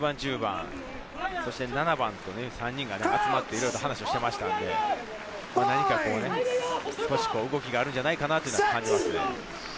今もこの間に９番、１０番、そして７番と３人が集まって、いろいろ話をしてましたので、何か少し動きがあるんじゃないかなと感じますね。